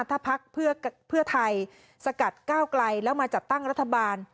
ถ้าพักเพื่อไทยสกัดก้าวไกลแล้วมาจัดตั้งรัฐบาล